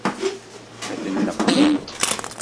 Ad ten-leqqment?